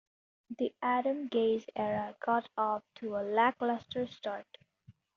The Adam Gase era got off to a lackluster start.